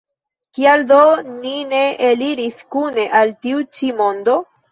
Kial do ni ne eliris kune el tiu ĉi mondo?